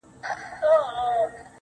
يو چا د سترگو په رپا کي رانه ساه وړې ده,